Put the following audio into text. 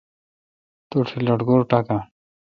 تو ٹھ لٹکور ٹاکان۔